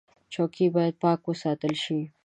چوکۍ باید پاکه وساتل شي.